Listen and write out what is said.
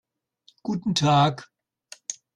Guten Tag.